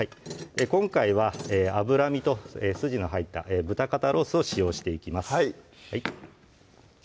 今回は脂身と筋の入った豚肩ロースを使用していきます